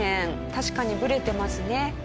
確かにブレてますね。